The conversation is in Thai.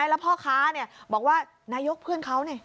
แล้วพ่อค้าบอกว่านายกเพื่อนเขานี่